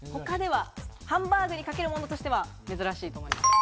ハンバーグにかけるものとしては珍しいと思います。